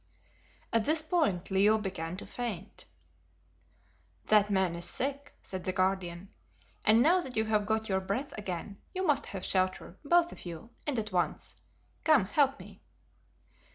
At this point Leo began to faint. "That man is sick," said the Guardian, "and now that you have got your breath again, you must have shelter, both of you, and at once. Come, help me."